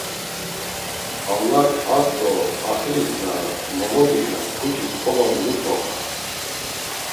Allak as do axiris na mologixen pucis polo nut̆roxas.